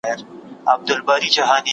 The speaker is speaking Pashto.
په شریعت کي د هر چا مقام معلوم دی.